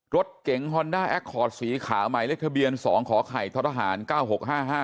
รถเก๋งฮอนด้าแอคคอร์ดสีขาวหมายเลขทะเบียนสองขอไข่ท้อทหารเก้าหกห้าห้า